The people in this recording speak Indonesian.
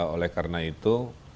oleh karena itu